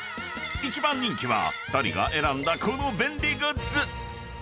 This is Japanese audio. ［一番人気は２人が選んだこの便利グッズ］